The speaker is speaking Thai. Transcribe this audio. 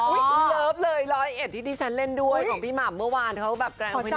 อุ้ยเลิฟเลย๑๐๑ที่ดิสันเล่นด้วยของพี่หม่ามเมื่อวานเขาก็แบบแกร่งไปดิง